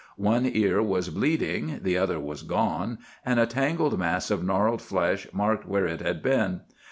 One ear was bleeding—the other was gone, and a tangled mass of gnarled flesh marked where it had been.